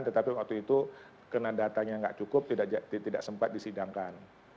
tetapi waktu itu karena datanya tidak cukup tidak sempat disidangkan